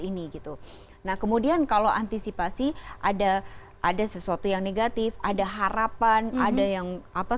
ini gitu nah kemudian kalau antisipasi ada ada sesuatu yang negatif ada harapan ada yang apa